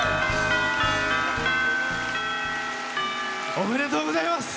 おめでとうございます。